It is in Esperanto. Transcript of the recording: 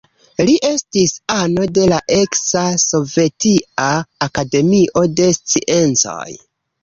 Li estis ano de la eksa Sovetia Akademio de Sciencoj.